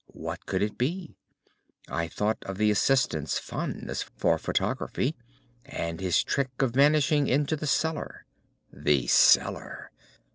What could it be? I thought of the assistant's fondness for photography, and his trick of vanishing into the cellar. The cellar!